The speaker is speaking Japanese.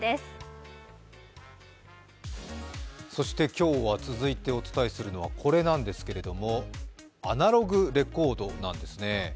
今日続いてお伝えするのはこれなんですけれども、アナログレコードなんですね。